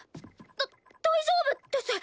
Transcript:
だ大丈夫です。